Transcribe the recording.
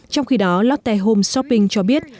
trong khi đó lotte home shopping cho biết